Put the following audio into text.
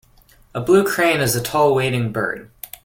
A blue crane is a tall wading bird.